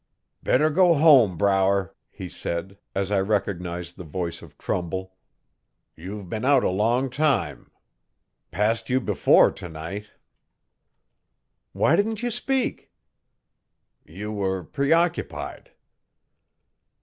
'Better go home, Brower,' he said, as I recognised the voice of Trumbull. 'You've been out a long time. Passed you before tonight.' 'Why didn't you speak?' 'You were preoccupied.'